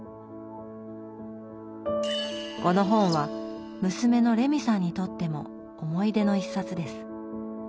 この本は娘のレミさんにとっても思い出の一冊です。